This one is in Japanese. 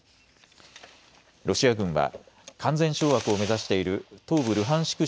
ロシア軍は完全掌握を目指している東部ルハンシク